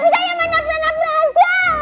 bisa bisanya main abu abu aja